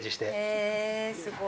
へぇ、すごい。